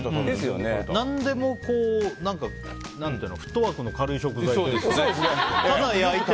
何でもフットワークの軽い食材というかね。